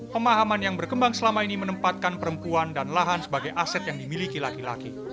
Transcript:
pemahaman yang berkembang selama ini menempatkan perempuan dan lahan sebagai aset yang dimiliki laki laki